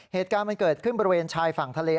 เหตุการณ์มันเกิดขึ้นบริเวณชายฝั่งทะเล